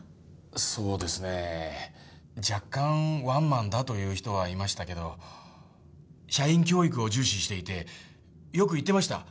そうですねえ。若干ワンマンだと言う人はいましたけど社員教育を重視していてよく言ってました。